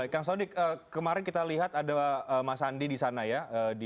kang sodik kemarin kita lihat ada mas andi di sana ya